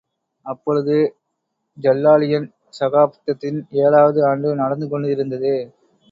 அப்பொழுது ஜல்லாலியன் சகாப்தத்தின் ஏழாவது ஆண்டு நடந்து கொண்டிருந்தது.